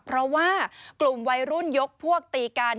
เพราะว่ากลุ่มวัยรุ่นยกพวกตีกัน